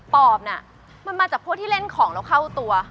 ปอบน่ะมันมาจากพวกที่เล่นของแล้วเข้าตัว